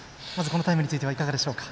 このタイムについてはいかがでしょうか？